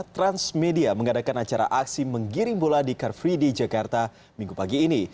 transmedia mengadakan acara aksi menggiring bola di car free day jakarta minggu pagi ini